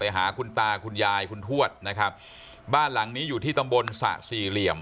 หาคุณตาคุณยายคุณทวดนะครับบ้านหลังนี้อยู่ที่ตำบลสระสี่เหลี่ยม